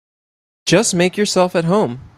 Just make yourselves at home.